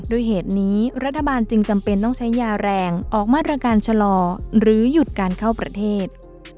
ด้วยเหตุนี้รัฐบาลจึงจำเป็นต้องใช้ยาแรงออกมาตรการชะลอหรือหยุดการเข้าประเทศ